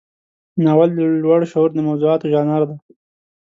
ناول د لوړ شعور د موضوعاتو ژانر دی.